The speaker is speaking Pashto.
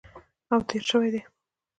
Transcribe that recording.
او تېر شوي دي